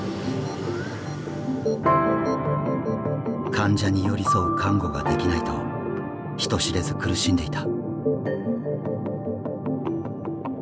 患者に寄り添う看護ができないと人知れず苦しんでいた。